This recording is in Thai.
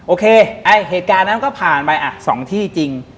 โอเคเหตุการณ์นั้นก็ผ่านไป๒ที่จริง